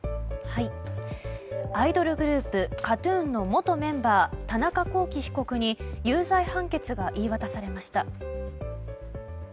アイドルグループＫＡＴ‐ＴＵＮの元メンバー田中聖被告に有罪判決が言い渡されました。